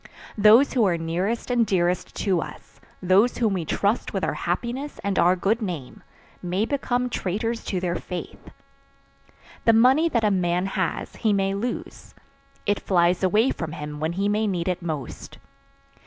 Those who are nearest and dearest to us, those whom we trust with our happiness and our good name, may become traitors to their faith. The money that a man has he may lose. It flies away from him when he may need it most.